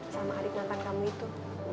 sama adik mantan kamu itu